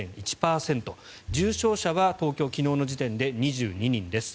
重症者は東京昨日の時点で２２人です。